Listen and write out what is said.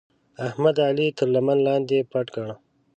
احمد؛ علي تر لمن لاندې پټ کړ.